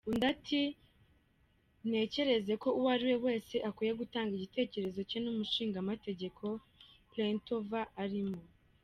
Undi ati: "Ntekereza ko uwariwe wese akwiye gutanga igitekerezo cye n’ umushingamategeko Pletnyova arimo.